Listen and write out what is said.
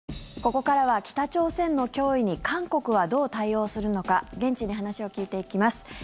ここからは北朝鮮の脅威に韓国はどう対応するのか現地に話を聞いていきます。